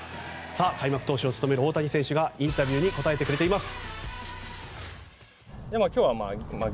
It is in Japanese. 開幕投手を務める大谷選手がインタビューに答えてくれています。